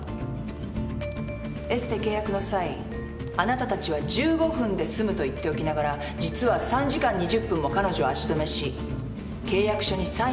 エステ契約の際あなたたちは「１５分で済む」と言っておきながら実は３時間２０分も彼女を足止めし契約書にサインをさせた。